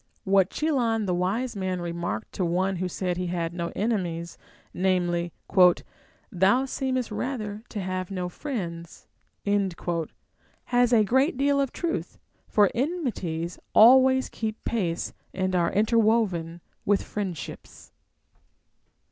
What Chilon the wise man remarked to one wlio said he had no enemies, namely, " Thou seemest rather to have no friends," has a great deal of truth ; for enmities always keep pace and are interwoven with friendships.